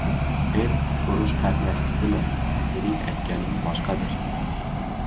— Men urush qatnashchisiman, sening aytganing boshqadir!